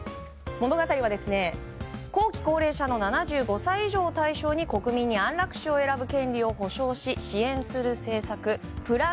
物語は後期高齢者の７５歳以上を対象に国民に安楽死を選ぶ権利を保障し、支援する政策